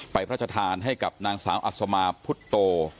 ไปพระราชทานให้กับนางสาวอัศวมาร์พุทธโต